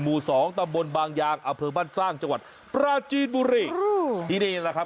หมู่สองตับบนบางอย่างอเผลอบ้านสร้างจังหวัดปราจีลบุริหรือที่นี่นะครับ